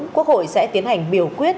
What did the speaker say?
quốc hội sẽ tiến hành biểu quyết